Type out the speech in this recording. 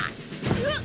うわっ！